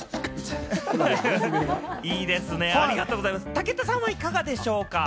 武田さんは、いかがでしょう？